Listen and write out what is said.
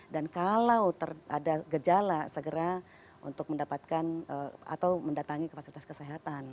dan kalau ada gejala segera untuk mendapatkan atau mendatangi ke fasilitas kesehatan